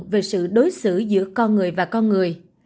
về sự đối xử giữa con người và con người